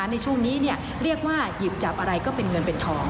เพราะฉะนั้นในช่วงนี้เรียกว่าหยิบจับอะไรก็เงินเป็นทอง